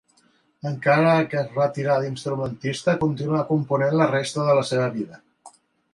Encara que es retirà d'instrumentista, continuà component la resta de la seva vida.